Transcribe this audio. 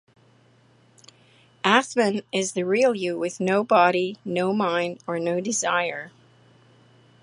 Athman is the 'real' you with no body, no mind or no desire.